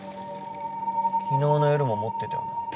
昨日の夜も持ってたよな。